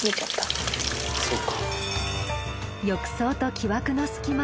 浴槽と木枠の隙間